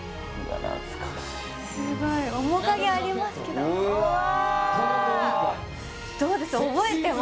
懐かしい面影ありますけどうわどうです？